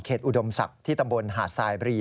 อุดมศักดิ์ที่ตำบลหาดทรายบรี